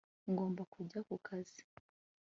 ngomba kujya ku kazi